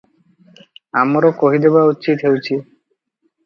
ଆମର କହିଦେବା ଉଚିତ ହେଉଛି ।